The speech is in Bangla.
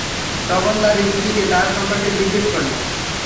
তখন তার স্ত্রীকে তার সম্পর্কে জিজ্ঞেস করলেন।